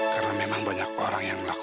karena memang banyak orang yang tahu